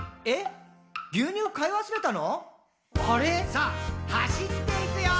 「さあ走っていくよー！」